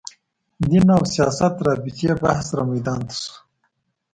دین او سیاست رابطې بحث رامیدان ته شو